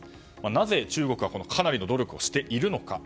なぜ中国がかなりの努力をしているのか。